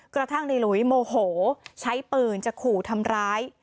กระทั่งในหลุยโมโหใช้ปืนจะขู่ทำร้าย